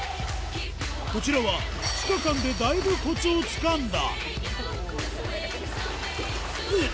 こちらは２日間でだいぶこつをつかんだ。